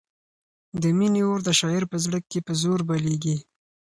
د مینې اور د شاعر په زړه کې په زور بلېږي.